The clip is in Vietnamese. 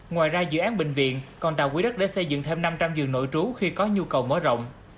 ngoài ra dự án bệnh viện còn tạo quỹ đất để xây dựng thêm năm trăm linh giường nổi trú khi có nhu cầu mở rộng